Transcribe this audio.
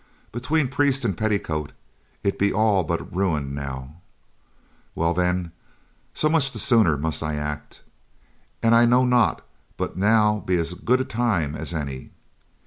Between priest and petticoat, it be all but ruined now. Well then, so much the sooner must I act, and I know not but that now be as good a time as any.